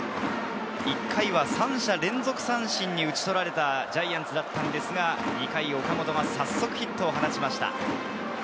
１回は三者連続三振に打ち取られたジャイアンツだったのですが、２回、岡本が早速ヒットを放ちました。